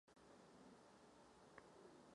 Ve srovnání s generací předchozí byla nižší a širší.